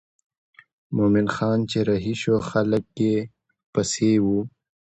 مومن خان چې رهي شو خلک یې پسې وو.